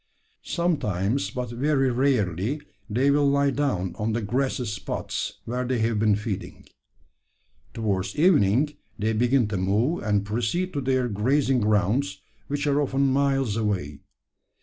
Sometimes, but very rarely, they will lie down on the grassy spots where they have been feeding. Towards evening they begin to move, and proceed to their grazing grounds which are often miles away.